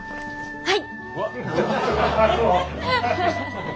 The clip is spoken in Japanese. はい。